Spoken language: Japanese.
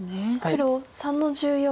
黒３の十四。